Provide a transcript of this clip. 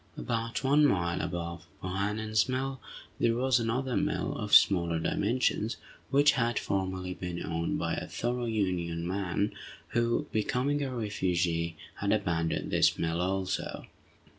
About one mile above Bohannan's mill, there was another mill, of smaller dimensions, which had formerly been owned by a thorough Union man, who, becoming a refugee, had abandoned this mill, also.